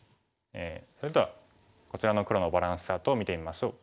それではこちらの黒のバランスチャートを見てみましょう。